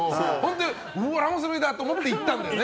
ラモス瑠偉だと思って行ったんだよね。